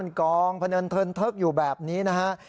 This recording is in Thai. กองพนันเทินเทิกอยู่แบบนี้นะฮะ